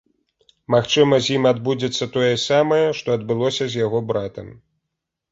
Магчыма, з ім адбудзецца тое самае, што адбылося з яго братам.